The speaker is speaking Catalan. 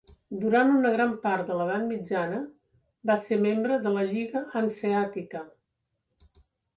Durant una gran part de l'edat mitjana va ser membre de la Lliga Hanseàtica.